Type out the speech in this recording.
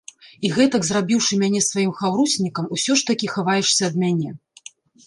І гэтак зрабіўшы мяне сваім хаўруснікам, усё ж такі хаваешся ад мяне!